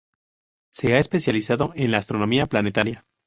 Se ha especializado en la astronomía planetaria.